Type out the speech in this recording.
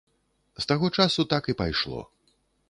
З таго часу так і пайшло.